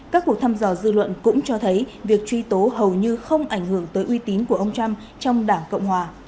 các cuộc thăm dò dư luận cũng cho thấy việc truy tố hầu như không ảnh hưởng tới uy tín của ông trump trong đảng cộng hòa